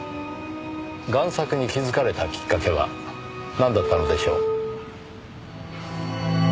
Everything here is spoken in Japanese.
贋作に気づかれたきっかけはなんだったのでしょう？